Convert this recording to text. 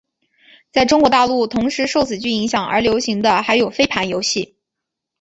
在中国大陆同时受此剧影响而流行的还有飞盘游戏。